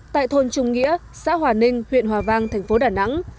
tại thôn trung nghĩa xã hòa ninh huyện hòa vang thành phố đà nẵng